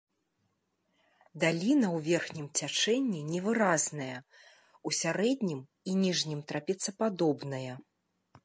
Даліна ў верхнім цячэнні невыразная, у сярэднім і ніжнім трапецападобная.